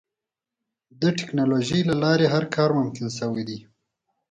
د ټکنالوجۍ له لارې هر کار ممکن شوی دی.